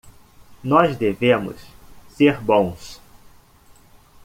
Nós devemos ser bons.